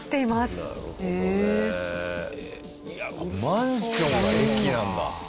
マンションが駅なんだ！